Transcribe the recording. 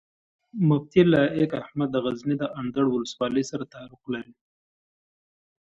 مفتي لائق احمد د غزني د اندړو ولسوالۍ سره تعلق لري